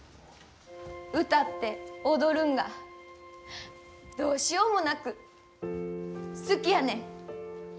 歌って踊るんがどうしようもなく好きやねん。